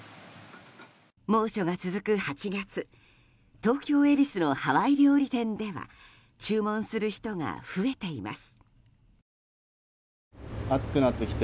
猛暑が続く８月東京・恵比寿のハワイ料理店では注文する人が増えています。